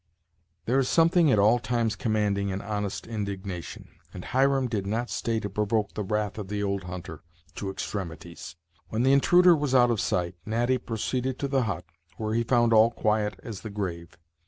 There is something at all times commanding in honest indignation, and Hiram did not stay to provoke the wrath of the old hunter to extremities. When the intruder was out of sight, Natty proceeded to the hut, where he found all quiet as the grave.